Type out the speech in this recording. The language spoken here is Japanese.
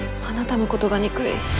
あなたの事が憎い。